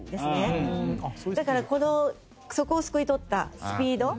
だからそこをすくい取ったスピードのセンス。